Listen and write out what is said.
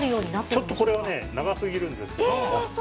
ちょっとこれは長すぎるんですけど。